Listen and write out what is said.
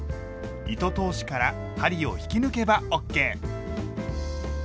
糸通しから針を引き抜けばＯＫ。